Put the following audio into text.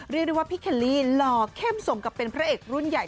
เรียกได้ว่าพี่เคลลี่หล่อเข้มสมกับเป็นพระเอกรุ่นใหญ่